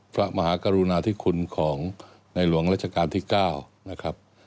พระมหากรุณาธิคุณของในหลวงราชการที่๙นะครับ